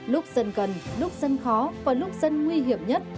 lúc dân cần lúc dân khó có lúc dân nguy hiểm nhất